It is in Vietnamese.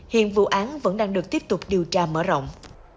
hiện vụ án vẫn đang được tiếp tục điều tra mở rộng